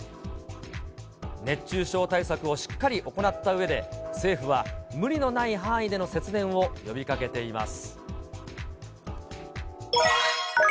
熱中症対策をしっかり行ったうえで、政府は、無理のない範囲での節電を呼びかけています。